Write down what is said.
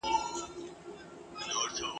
موري که موړ یمه که وږی وړم درانه بارونه !.